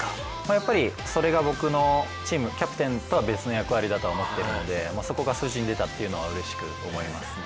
やっぱりそれが僕のチームキャプテンとは別の役割だと思っているので、そこが数字に出たというのはうれしく思いますね。